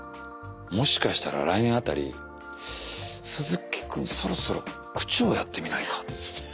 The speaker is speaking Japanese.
もしかしたら来年辺り「鈴木君そろそろ区長をやってみないか？」。